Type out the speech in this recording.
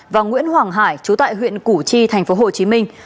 và nguyễn hoàng hải chú tại huyện củ chi thành phố hồ chí minh